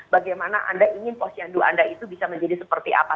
bagaimana anda ingin posyandu anda itu bisa menjadi seperti apa